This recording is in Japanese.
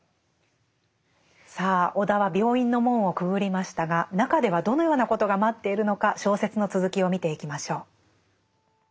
さあ尾田は病院の門をくぐりましたが中ではどのようなことが待っているのか小説の続きを見ていきましょう。